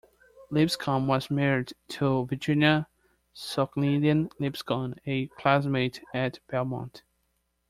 Lipscomb was married to Virginia Sognalian Lipscomb, a classmate at Belmont.